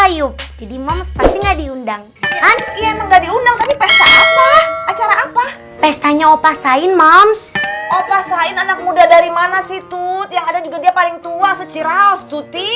ya sih tut yang ada juga dia paling tua secirau tuti